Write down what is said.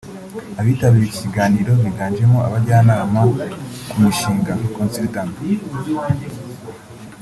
Abitabiriye iki kiganiro biganjemo abajyanama ku mishinga (consultants)